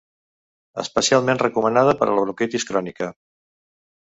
Especialment recomanada per a la bronquitis crònica.